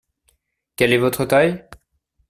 Quelle est votre taille ?